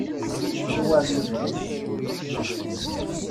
n war lebɣi